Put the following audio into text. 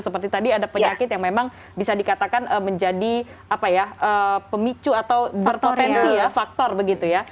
seperti tadi ada penyakit yang memang bisa dikatakan menjadi pemicu atau berpotensi ya faktor begitu ya